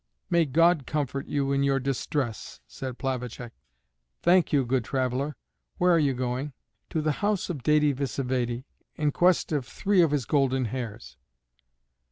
"May God comfort you in your distress," said Plavacek. "Thank you, good traveler. Where are you going?" "To the house of Dède Vsévède in quest of three of his golden hairs."